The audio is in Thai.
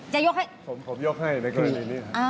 ยกให้ผมยกให้ในกรณีนี้ครับ